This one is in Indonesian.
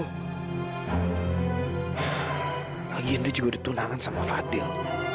lagian dia juga ditunangan sama fadil